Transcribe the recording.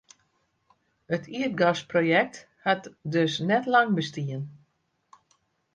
It ierdgasprojekt hat dus net lang bestien.